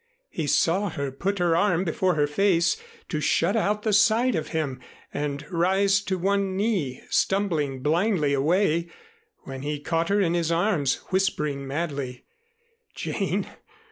He saw her put her arm before her face to shut out the sight of him and rise to one knee, stumbling blindly away, when he caught her in his arms, whispering madly: "Jane!